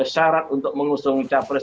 syarat untuk mengusung capres